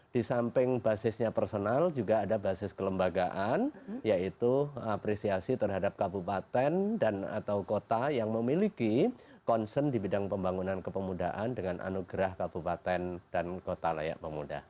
di samping basisnya personal juga ada basis kelembagaan yaitu apresiasi terhadap kabupaten dan atau kota yang memiliki concern di bidang pembangunan kepemudaan dengan anugerah kabupaten dan kota layak pemuda